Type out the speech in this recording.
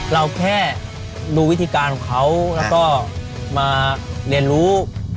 เราแค่ดูวิธีการของเขาแล้วก็มาเรียนรู้